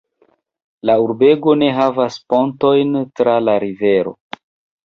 La urbego ne havas pontojn tra la rivero.